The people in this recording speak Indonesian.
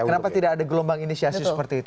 kenapa tidak ada gelombang inisiasi seperti itu